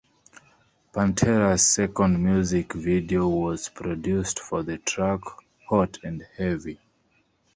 Pantera's second music video was produced for the track "Hot and Heavy".